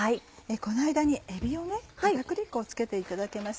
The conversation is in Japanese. この間にえびを片栗粉をつけていただけますか？